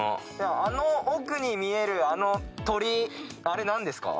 あの奥に見えるあの鳥居あれ何ですか？